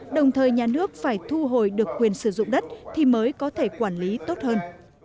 đồng thời nhà nước phải thu hồi được quyền sử dụng đất thì mới có thể quản lý tốt hơn